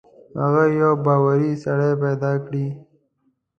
هغه یو باوري سړی پیدا کړي.